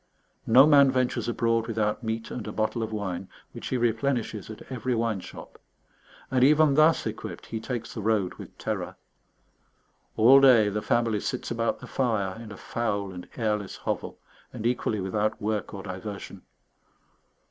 No man ventures abroad without meat and a bottle of wine, which he replenishes at every wine shop; and even thus equipped he takes the road with terror. All day the family sits about the fire in a foul and airless hovel, and equally without work or diversion.